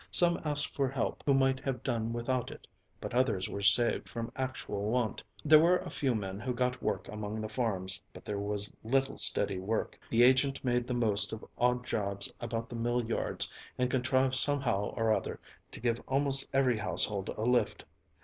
Some asked for help who might have done without it, but others were saved from actual want. There were a few men who got work among the farms, but there was little steady work. The agent made the most of odd jobs about the mill yards and contrived somehow or other to give almost every household a lift.